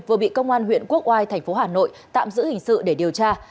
vừa bị công an huyện quốc oai tp hà nội tạm giữ hình sự để điều tra